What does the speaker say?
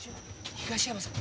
東山さん。